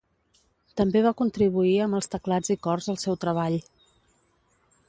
També va contribuir amb els teclats i cors al seu treball.